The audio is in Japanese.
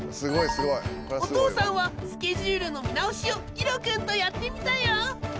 お父さんはスケジュールの見直しをイロくんとやってみたよ！